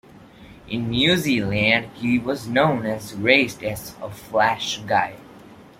In New Zealand, he was known and raced as Flash Guy.